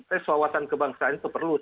tes wawasan kebangsaan itu perlu